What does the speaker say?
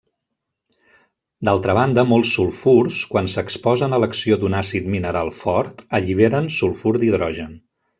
D'altra banda molts sulfurs, quan s'exposen a l'acció d'un àcid mineral fort, alliberen sulfur d'hidrogen.